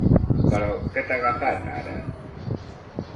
Però què t'ha agafat, ara?